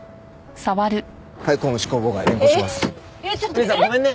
お兄さんごめんね。